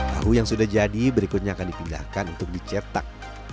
tahu yang sudah jadi berikutnya akan dipindahkan untuk dicetak